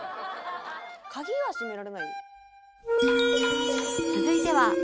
「鍵は閉められない？」